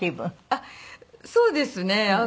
あっそうですね。